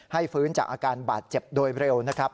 ฟื้นจากอาการบาดเจ็บโดยเร็วนะครับ